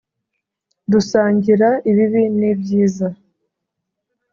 dusangira ibibi n` ibyiza !